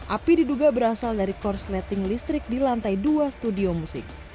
api diduga berasal dari korsleting listrik di lantai dua studio musik